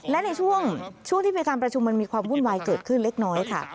และในช่วงที่มีการประชุมมันมีความวุ่นวายเกิดขึ้นเล็กน้อยค่ะ